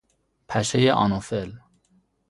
پشه آنوفل